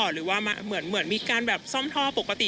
หรือว่าเหมือนมีการแบบซ่อมท่อปกติ